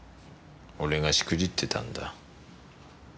俺がしくじってたんだ。